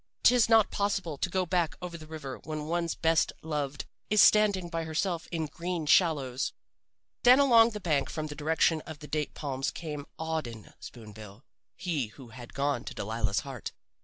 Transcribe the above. "'Tis not possible to go back over the river when one's best loved is standing by herself in green shallows. "Then along the bank from the direction of the date palms came Auden Spoon bill, he who had gone to Delilah's heart.